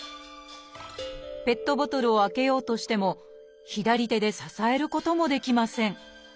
ペットボトルを開けようとしても左手で支えることもできません。